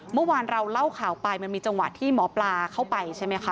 เมื่อวานเราเล่าข่าวไปมันมีจังหวะที่หมอปลาเข้าไปใช่ไหมคะ